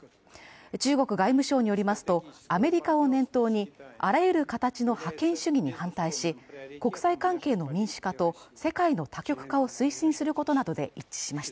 中国外務省によりますと、アメリカを念頭にあらゆる形の覇権主義に反対し国際関係の民主化と世界の多極化を推進することなどで一致しました。